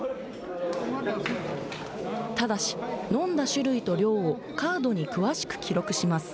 ただし、飲んだ種類と量をカードに詳しく記録します。